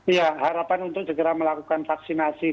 ya harapan untuk segera melakukan vaksinasi